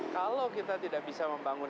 kalau kita tidak bisa membangun